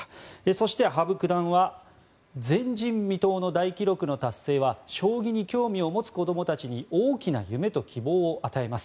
そして、羽生九段は前人未到の大記録の達成は将棋に興味を持つ子どもたちに大きな夢と希望を与えます